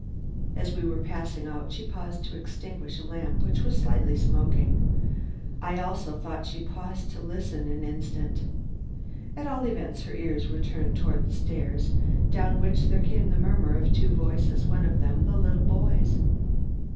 As we were passing out she paused to extinguish a lamp which was slightly smoking, I also thought she paused an instant to listen. At all events her ears were turned toward the stairs down which there came the murmur of two voices, one of them the little boy's.